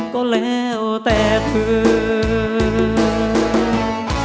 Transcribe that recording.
ก็แล้วแต่เพิ่ม